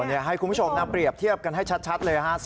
อายคุณผู้ชมมาเปรียบเทียบกันให้ชัดเลยฮะ